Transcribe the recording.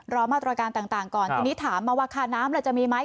รอมาตรการต่างก่อนทีนี้ถามมาว่าค่าน้ำล่ะจะมีไหม